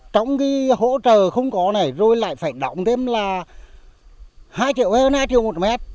trong cái hỗ trợ không có này rồi lại phải đóng thêm là hai triệu hơn hai triệu một mét